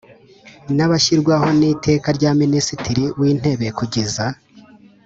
N abashyirwaho n iteka rya minisitiri w intebe kugeza